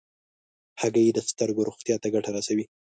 هګۍ د سترګو روغتیا ته ګټه رسوي.